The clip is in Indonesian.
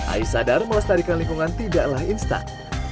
ayu sadar melestarikan lingkungan tidaklah instak